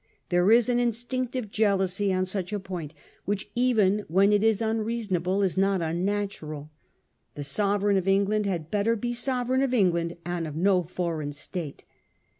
There is an instinctive jealousy on such a point, which even when it is un reasonable is not unnatural. A sovereign of England had better be sovereign of England, and of no foreign State.